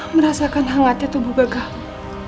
merasakan hangatnya tubuh gagahmu